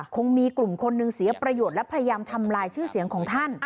กลุ่มมีกลุ่มคนหนึ่งเสียประโยชน์และพยายามทำลายชื่อเสียงของท่าน